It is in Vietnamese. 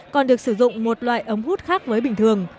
còn được sử dụng một loại ống hút khác với bình thường